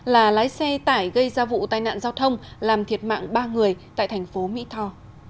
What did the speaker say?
là lái xe tải gây ra vụ tai nạn giao thông làm thiệt mạng ba người tại thành phố mỹ tho